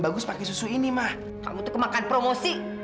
bagus pakai susu ini mah kamu tuh kemakan promosi